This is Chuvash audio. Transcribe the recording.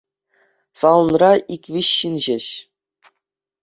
Салонра ик-виҫ ҫын ҫеҫ.